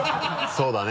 そうだね。